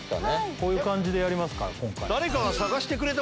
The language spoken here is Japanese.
こういう感じでやりますから今回。